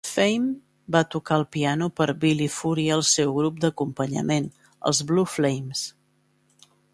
Fame va tocar el piano per Billy Fury al seu grup d'acompanyament, els Blue Flames.